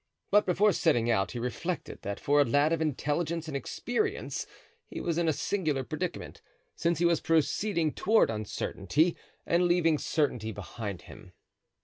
But before setting out he reflected that for a lad of intelligence and experience he was in a singular predicament, since he was proceeding toward uncertainty and leaving certainty behind him.